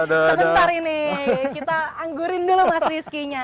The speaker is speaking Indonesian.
sebentar ini kita anggurin dulu mas riskynya